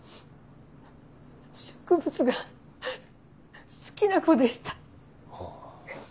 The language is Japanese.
植物が好きな子でした。